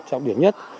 trọng điểm nhất